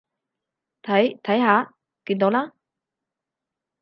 睇，睇下，見到啦？